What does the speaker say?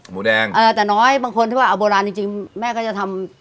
หมูแดงเออแต่น้อยบางคนที่ว่าเอาโบราณจริงจริงแม่ก็จะทำ